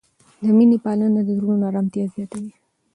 د مینې پالنه د زړونو آرامتیا زیاتوي.